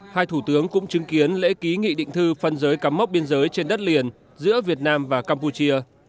hai thủ tướng cũng chứng kiến lễ ký nghị định thư phân giới cắm mốc biên giới trên đất liền giữa việt nam và campuchia